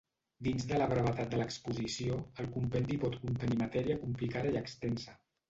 Dins de la brevetat de l'exposició, el compendi pot contenir matèria complicada i extensa.